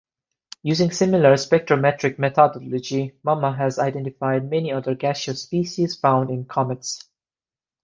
Using similar spectrometric methodology Mumma has identified many other gaseous species found in comets.